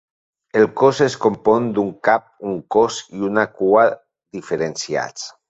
El cos es compon d'un cap, un cos i una cua diferenciats.